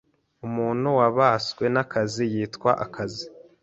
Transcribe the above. Umuntu wabaswe nakazi yitwa akazi.